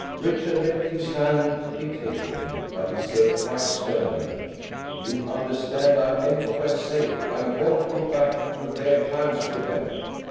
Richard let his hand be taken, but he said, quite sternly, "You understand I mean what I say: I won't go back to their times with them."